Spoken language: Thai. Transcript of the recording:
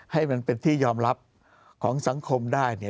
ให้มันเป็นที่ยอมรับของสังคมได้เนี่ย